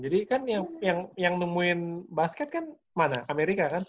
jadi kan yang nemuin basket kan mana amerika kan